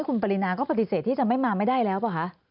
คุณปรินาก็ปฏิเสธที่จะไม่มาไม่ได้แล้วป่ะคะ